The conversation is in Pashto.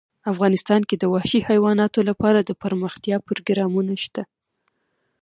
افغانستان کې د وحشي حیواناتو لپاره دپرمختیا پروګرامونه شته.